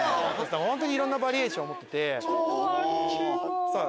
本当にいろんなバリエーションを持ってて。